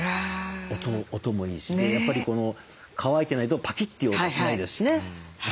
やっぱり乾いてないとパキッていう音しないですしね。